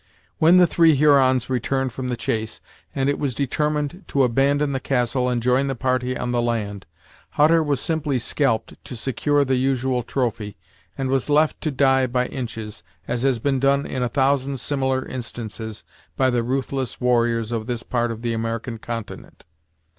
When the three Hurons returned from the chase, and it was determined to abandon the castle and join the party on the land, Hutter was simply scalped to secure the usual trophy, and was left to die by inches, as has been done in a thousand similar instances by the ruthless warriors of this part of the American continent.